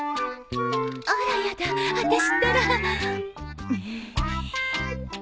あらやだあたしったら。